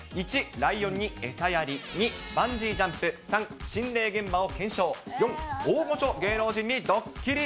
１、ライオンに餌やり、２、バンジージャンプ、３、心霊現場を検証、４、大御所芸能人にドッキリ。